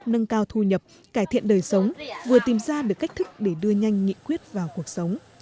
nâng cao thu nhập cải thiện đời sống vừa tìm ra được cách thức để đưa nhanh nghị quyết vào cuộc sống